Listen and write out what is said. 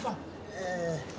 ええ。